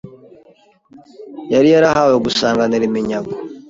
yari yarahawe gusanganira iminyago